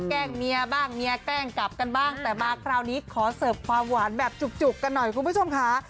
แกล้งเมียบ้างเมียแกล้งกลับกันบ้างแต่มาคราวนี้ขอเสิร์ฟความหวานแบบจุกกันหน่อยคุณผู้ชมค่ะ